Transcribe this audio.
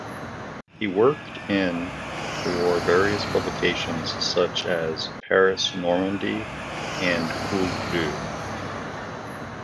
He worked in for various publications such as "Paris Normandie" and "Cols bleus".